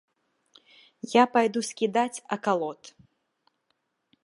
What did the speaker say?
Я пайду скідаць акалот.